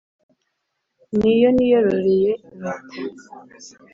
n' iyo niyorororeye ni uko